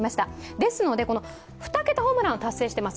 ですので、２桁ホームランは達成しています。